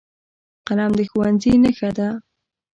قلم د ښوونځي نښه ده